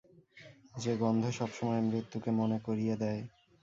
যে-গন্ধ সবসময় মৃত্যুকে মনে করিয়ে দেয়।